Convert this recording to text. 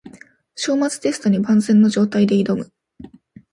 章末テストに万全の状態で挑む